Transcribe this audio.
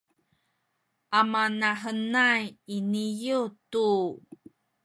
amanahenay iniyu tu